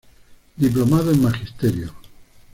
Diplomado en Magisterio.